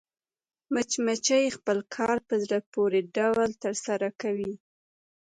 مچمچۍ خپل کار په زړه پورې ډول ترسره کوي